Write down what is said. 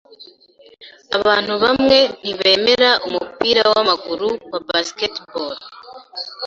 Abantu bamwe ntibemera umupira wamaguru wa baseball.